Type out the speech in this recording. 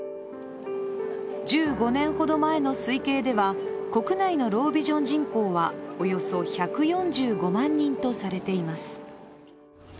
１５年ほど前の推計では国内のロービジョン人口はおよそ１４５万人とされています。